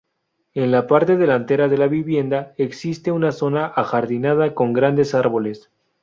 En la parte delantera de la vivienda existe una zona ajardinada con grandes árboles.